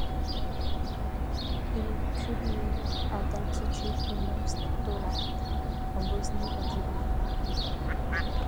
Il culmine à d’altitude au mont Stolac, en Bosnie-Herzégovine.